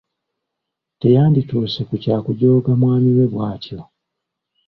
Teyandituuse ku kya kujooga mwami we bwatyo.